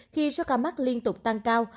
khi số ca mắc liên tục tăng cao